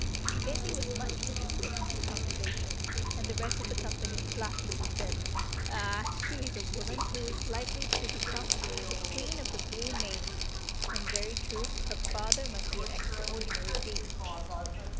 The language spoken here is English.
Genji was much interested in this conversation, and the rest of the company laughingly said, "Ah! she is a woman who is likely to become the Queen of the Blue Main. In very truth her father must be an extraordinary being!"